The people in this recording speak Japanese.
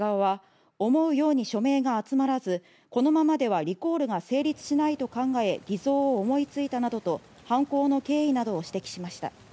続く冒頭陳述で検察側は思うように署名が集まらず、このままではリコールが成立しないと考え、偽造を思いついたなどと犯行の経緯などを指摘しました。